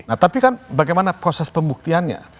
nah tapi kan bagaimana proses pembuktiannya